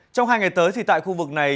trong hai ngày tới thì tại khu vực này